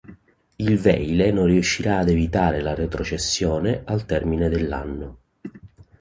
Il Vejle non riuscì ad evitare la retrocessione, al termine dell'anno.